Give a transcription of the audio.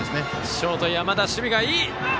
ショート、山田守備がいい！